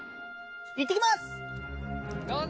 いってきます！